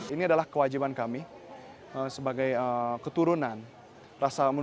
ini adalah kewajiban kami sebagai keturunan